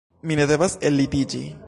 Mi ne devas ellitiĝi.«